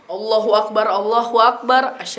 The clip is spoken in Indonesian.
allahu akbar allahu akbar